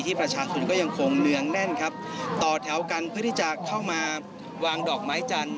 ประชาชนก็ยังคงเนืองแน่นครับต่อแถวกันเพื่อที่จะเข้ามาวางดอกไม้จันทร์